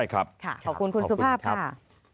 ขอบคุณคุณสุภาพค่ะ